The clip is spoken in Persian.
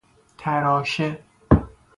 تراشه